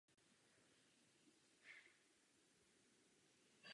Pojmy provázanost a soudržnost se často vyskytují společně.